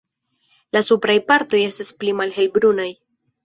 La supraj partoj estas pli malhelbrunaj.